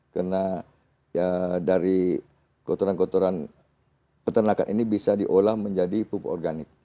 karena ya dari kotoran kotoran peternakan ini bisa diolah menjadi pupuk organik